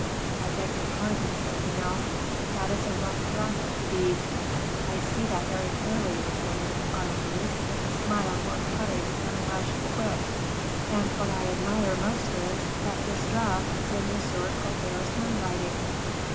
"I beg your pardon," said Vanel, "that is a rough draft of the deed." "I see that very clearly," retorted Aramis, with a smile more cutting than a lash of a whip; "and what I admire most is, that this draft is in M. Colbert's handwriting.